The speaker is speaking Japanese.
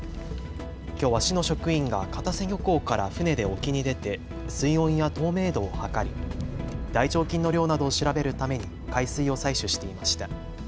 きょうは市の職員が片瀬漁港から船で沖に出て水温や透明度を測り大腸菌の量などを調べるために海水を採取していました。